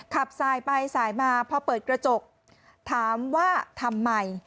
ขับสายไปสายมาพอเปิดกระจกถามว่าทำไม